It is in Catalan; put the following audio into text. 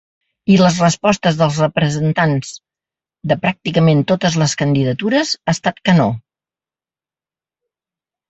I les respostes dels representant de pràcticament totes les candidatures ha estat que no.